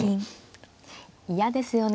嫌ですよね